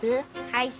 はい。